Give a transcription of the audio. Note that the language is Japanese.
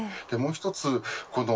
もう１つ。